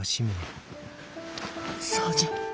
そうじゃ！